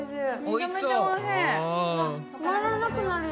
めちゃめちゃおいしい。